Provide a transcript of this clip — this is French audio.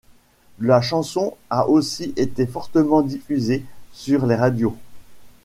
La chanson a aussi été fortement diffusée sur les radios.